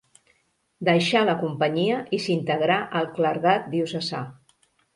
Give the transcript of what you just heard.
Deixà la Companyia i s'integrà al clergat diocesà.